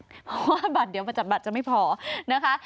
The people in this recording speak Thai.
เพราะว่าบัตรเดี๋ยวมาจัดบัตรจะไม่พอนะคะ